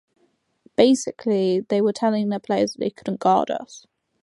Basically, they were telling their players that they couldn't guard us.